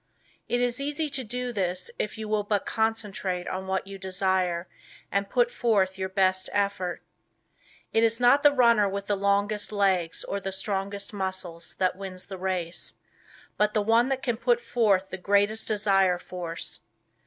It is easy to do this if you will but concentrate on what you desire, and put forth your best effort. It is not the runner with the longest legs or the strongest muscles that wins the race, but the one that can put forth the greatest desire force.